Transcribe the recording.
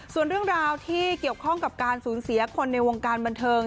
ส่วนเรื่องราวที่เกี่ยวข้องกับการสูญเสียคนในวงการบันเทิง